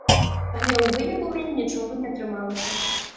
Але ў выніку ў мяне нічога не атрымалася.